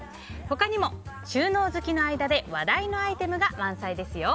他にも収納好きの間で話題のアイテムが満載です。